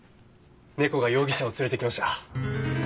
猫が容疑者を連れてきました。